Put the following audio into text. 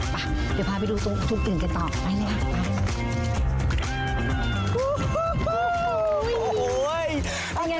ไปเดี๋ยวพาไปดูตรงอื่นกันต่อไปเลยค่ะไป